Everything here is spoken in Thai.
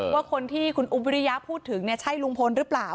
ว่าคนที่คุณอุ๊บวิริยะพูดถึงใช่ลุงพลหรือเปล่า